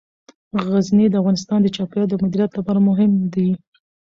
غزني د افغانستان د چاپیریال د مدیریت لپاره مهم دي.